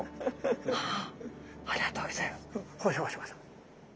ああありがとうギョざいます。